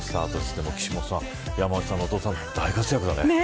今日も岸本さん山内さんの弟さん、大活躍だね。